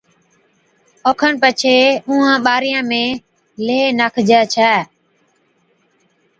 او کن پڇي اُونهان ٻارِيان ۾ ليه ناکي هِتين،